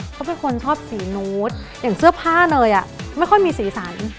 เขาเป็นคนชอบสีนูดอย่างเสื้อผ้าเนยไม่ค่อยมีสีสัน